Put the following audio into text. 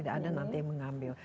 tidak ada nanti yang mengambil